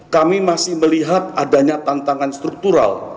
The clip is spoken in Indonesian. kami masih melihat adanya tantangan struktural